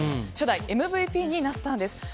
初代ＭＶＰになったんです。